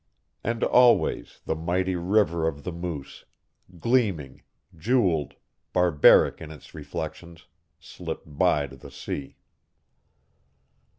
And always the mighty River of the Moose, gleaming, jewelled, barbaric in its reflections, slipped by to the sea.